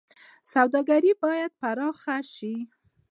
سوداګري باید پراخه شي